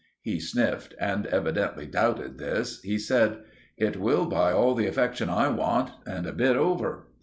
He sniffed and evidently doubted this. He said— "It will buy all the affection I want—and a bit over."